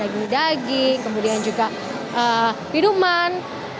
daging daging kemudian juga minuman